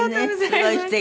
すごい素敵。